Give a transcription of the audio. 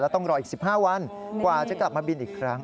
ต้องรออีก๑๕วันกว่าจะกลับมาบินอีกครั้ง